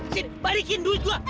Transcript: sini balikin duit gua